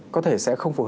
có thể sẽ không phù hợp